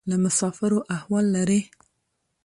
له مسافرو احوال لرې؟